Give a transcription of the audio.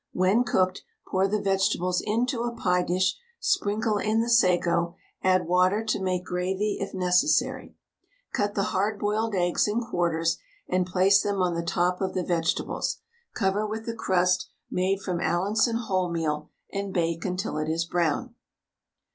When cooked, pour the vegetables into a pie dish, sprinkle in the sago, add water to make gravy if necessary. Cut the hard boiled eggs in quarters and place them on the top of the vegetables, cover with a crust made from Allinson wholemeal, and bake until it is brown.